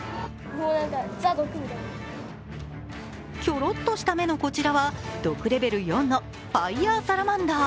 キョロっとした目のこちらは毒レベル４のファイヤーサラマンダー。